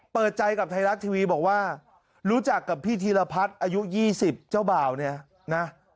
เปิดใจกับไทยรัฐทีวีบอกว่ารู้จักกับพี่ธีรพัฒน์อายุ๒๐เจ้าบ่าวเนี่ยนะ